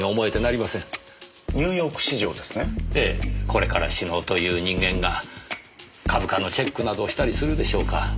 これから死のうという人間が株価のチェックなどしたりするでしょうか？